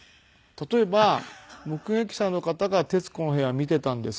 例えば目撃者の方が『徹子の部屋』見ていたんです。